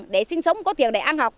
để sinh sống có tiền để ăn học